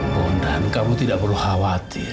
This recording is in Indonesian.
bondan kamu tidak perlu khawatir